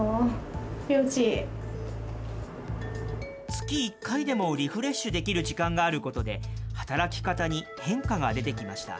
月１回でもリフレッシュできる時間があることで、働き方に変化が出てきました。